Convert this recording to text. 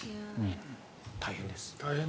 大変です。